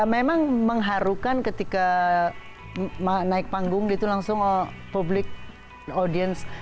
memang mengharukan ketika naik panggung gitu langsung public audience